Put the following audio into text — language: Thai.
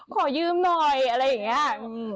ขอยืมหน่อยอะไรอย่างนี้